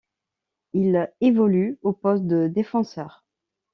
Il évolue au poste de défenseur.